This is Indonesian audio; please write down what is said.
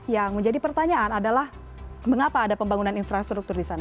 yang menjadi pertanyaan adalah mengapa ada pembangunan infrastruktur di sana